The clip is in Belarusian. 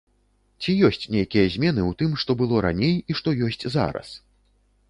Ці ёсць нейкія змены ў тым, што было раней і што ёсць зараз?